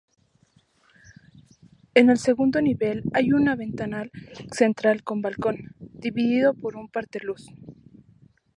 En el segundo nivel hay un ventanal central con balcón, dividido por un parteluz.